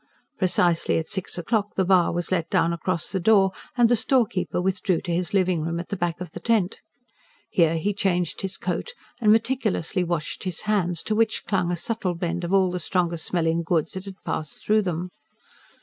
Precisely at six o'clock the bar was let down across the door, and the storekeeper withdrew to his living room at the back of the tent. Here he changed his coat and meticulously washed his hands, to which clung a subtle blend of all the strong smelling goods that had passed through them.